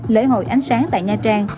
lễ hội ánh sáng tại nha trang